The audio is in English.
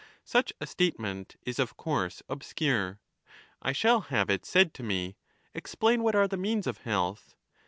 Such a statement is of course obscure. I shall have it said to me, ' Explain what are the means of health.'